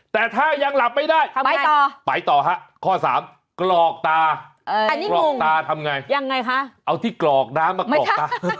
แต่ถ้ายังหลับไม่ได้ไปต่อค่ะข้อ๓กรอกตาทำยังไงเอาที่กรอกตามากรอกตา